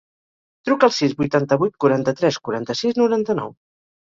Truca al sis, vuitanta-vuit, quaranta-tres, quaranta-sis, noranta-nou.